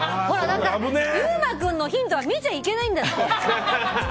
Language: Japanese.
優馬君のヒントは見ちゃいけないんだ。